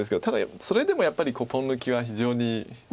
ただそれでもやっぱりポン抜きは非常に。